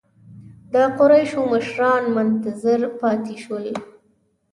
د قریشو مشران منتظر پاتې شول.